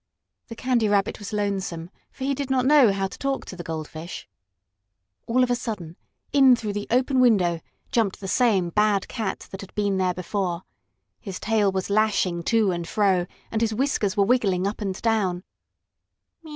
The Candy Rabbit was lonesome, for he did not know how to talk to the goldfish. All of a sudden, in through the open window, jumped the same bad cat that had been there before. His tail was lashing to and fro, and his whiskers were wiggling up and down.